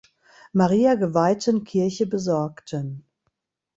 Maria geweihten Kirche besorgten.